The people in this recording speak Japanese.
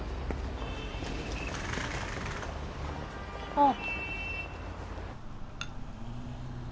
あっ。